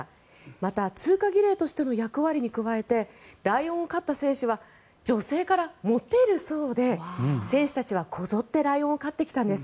また通過儀礼としての役割に加えてライオンを狩った選手は女性からモテるそうで選手たちは、こぞってライオンを狩ってきたんです。